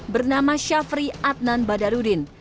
bernama syafri adnan badarudin